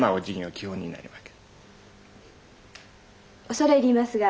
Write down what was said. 恐れ入りますが。